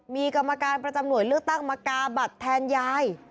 มีกรรมการประจำหน่วยเลือกตั้งมากาบัตรแทนยาย